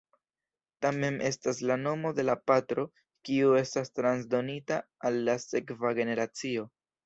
Tamen estas la nomo de la patro kiu estas transdonita al la sekva generacio.